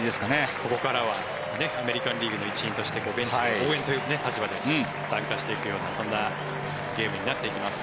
ここからはアメリカン・リーグの一員としてベンチで応援という立場で参加していくようなそんなゲームになっていきます。